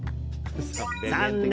残念！